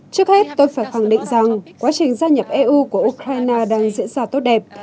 trước hết tôi phải khẳng định rằng quá trình gia nhập eu của ukraine đang diễn ra tốt đẹp